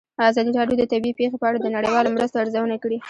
ازادي راډیو د طبیعي پېښې په اړه د نړیوالو مرستو ارزونه کړې.